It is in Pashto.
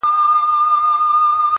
پر خپل پلار باندي شکمن سو ورپسې سو؛